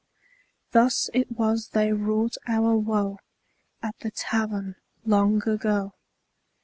Thus it was they wrought our woe At the Tavern long ago.